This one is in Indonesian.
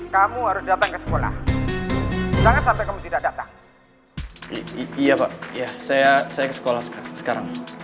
kamu harus datang ke sekolah jangan sampai kamu tidak datang iya pak ya saya ke sekolah sekarang